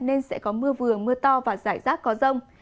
nên sẽ có mưa vườn mưa to và giải rác có rông